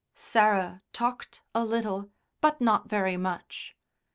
Sarah talked a little, but not very much.